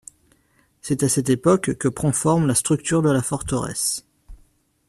C’est à cette époque que prend forme la structure de la forteresse.